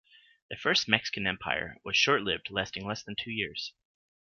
The First Mexican Empire was short-lived, lasting less than two years.